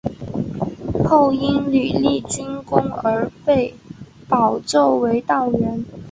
后因屡立军功而被保奏为道员。